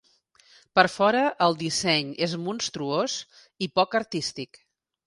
Per fora el disseny és monstruós i poc artístic.